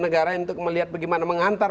negara untuk melihat bagaimana mengantar